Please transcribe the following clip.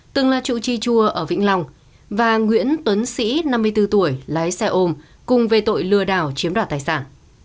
từng là trụ trì chùa ở vĩnh long và nguyễn tuấn sĩ năm mươi bốn tuổi lái xe ôm cùng về tội lừa đảo chiếm đoạt tài sản